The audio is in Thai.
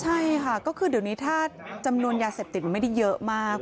ใช่ค่ะก็คือเดี๋ยวนี้ถ้าจำนวนยาเสพติดมันไม่ได้เยอะมาก